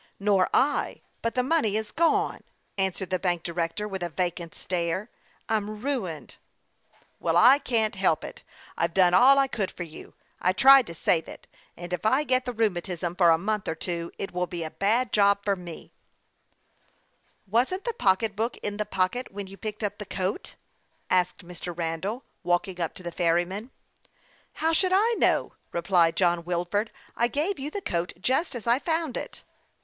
" Nor I ; but the money is gone," answered the bank director, with a vacant stare. " I'm ruined !" "Well, I can't help it. I've done all I could for you. I tried to save it ; and if I get the rheumatism for a month or two, it will be a bad job for me." THE YOUNG PILOT OF LAKE CHAMPLAIN. 45 " Wasn't the pocketbook in the pocket when you picked up the coat ?" asked Mr. Randall, walking up to the ferryman. " How should I know ?" replied John Wilford. " I gave you the coat just as I found it."